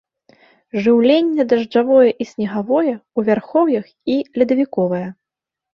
Жыўленне дажджавое і снегавое, у вярхоўях і ледавіковае.